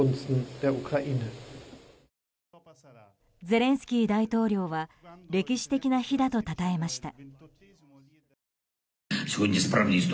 ゼレンスキー大統領は歴史的な日だとたたえました。